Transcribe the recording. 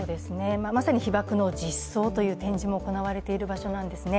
まさに被爆の実相という展示も行われている場所なんですね。